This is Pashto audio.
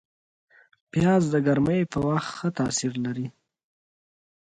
پیاز د ګرمۍ په وخت ښه تاثیر لري